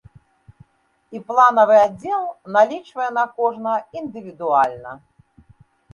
І планавы аддзел налічвае на кожнага індывідуальна.